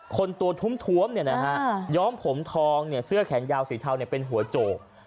คนตัวทุ่มย้อมผมทองเสื้อแขนยาวสีเทาเป็นหัวโจก